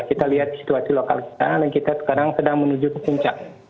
kita lihat situasi lokal kita dan kita sekarang sedang menuju ke puncak